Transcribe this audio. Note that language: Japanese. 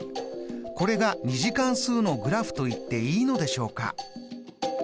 これが２次関数のグラフと言っていいのでしょうか？